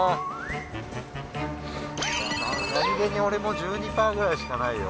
何気に俺も１２パーくらいしかないよ。